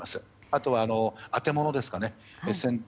あとは、当てものですかね。